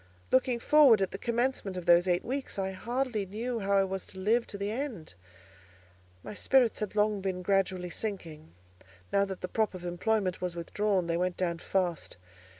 Looking forward at the commencement of those eight weeks, I hardly knew how I was to live to the end. My spirits had long been gradually sinking; now that the prop of employment was withdrawn, they went down fast.